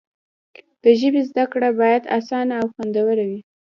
د ژبې زده کړه باید اسانه او خوندوره وي.